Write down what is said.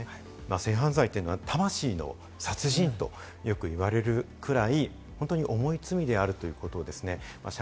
性犯罪は魂の殺人とよく言われるくらい本当に重い罪であるということですね。